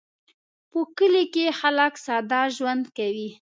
په کلي کې خلک ساده ژوند کوي